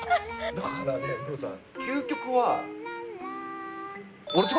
だからねムロさん。